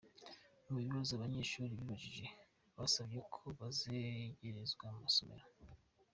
Mu bibazo abanyeshuri bibajije basabye ko bazegerezwa amasomero.